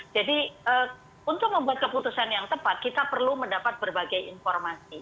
jadi untuk membuat keputusan yang tepat kita perlu mendapat berbagai informasi